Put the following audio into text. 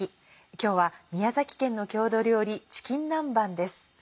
今日は宮崎県の郷土料理「チキン南蛮」です。